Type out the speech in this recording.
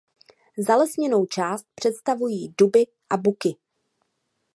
Zalesněnou část představují duby a buky.